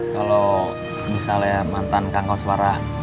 kalau misalnya mantan kanggal suara